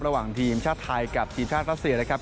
ระหว่างทีมชาติไทยกับทีมชาติรัสเซียนะครับ